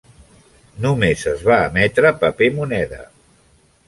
Només es va emetre paper moneda.